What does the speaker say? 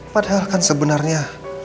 padahal kan sebenarnya